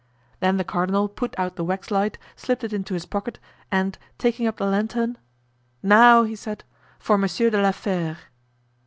Then the cardinal put out the waxlight, slipped it into his pocket, and taking up the lantern: "Now," he said, "for Monsieur de la Fere."